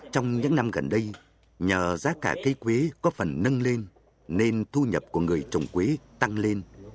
trong những năm gần đây nhờ giá cả cây quế có phần nâng lên nên thu nhập của người trồng quý tăng lên